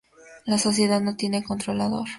La sociedad no tiene controlador.